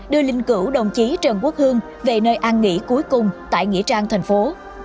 đưa linh cửu đồng chí trần quốc hương về nơi an nghỉ cuối cùng tại nghĩa trang thành phố